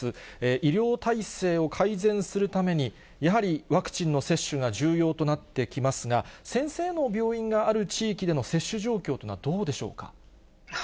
医療体制を改善するために、やはりワクチンの接種が重要となってきますが、先生の病院がある地域での接種状況というのはどうでしょうか？